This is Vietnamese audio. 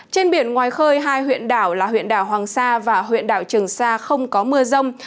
trên biển ngoài khơi hai huyện đảo là huyện đảo hoàng sa và huyện đảo trường sa không có mưa rông